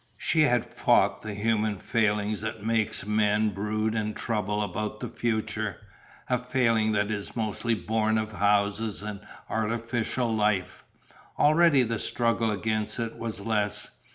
She had fought the human failing that makes men brood and trouble about the future, a failing that is mostly born of houses and artificial life; already the struggle against it was less.